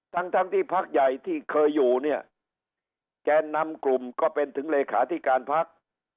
ทั้งทั้งที่พักใหญ่ที่เคยอยู่เนี่ยแกนนำกลุ่มก็เป็นถึงเลขาธิการพัก